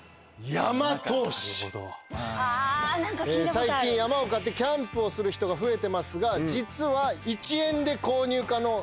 最近山を買ってキャンプをする人が増えてますが実は１円で購入可能。